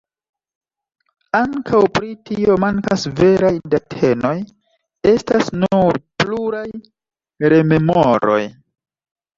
Ankaŭ pri tio mankas veraj datenoj, estas nur pluraj rememoroj.